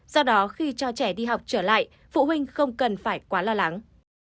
do đó khi cho trẻ đi học trở lại phụ huynh không cần phải quá lo lắng